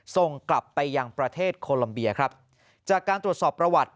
ส่งกลับไปยังประเทศโคลัมเบียครับจากการตรวจสอบประวัติ